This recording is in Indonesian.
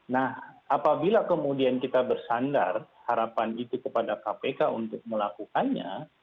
nah apabila kemudian kita bersandar harapan itu kepada kpk untuk melakukannya